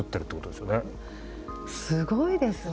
すごいですね。